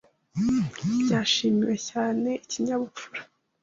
Byashimiwe cyane ikinyabupfura